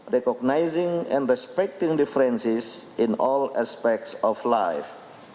mengenal dan menghormati perbedaan dalam semua aspek hidup